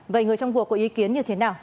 vậy người trong cuộc có ý kiến như thế nào